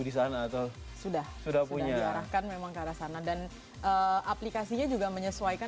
di sana atau sudah sudah punya kan memang ke artisana dan aplikasinya comedies waikan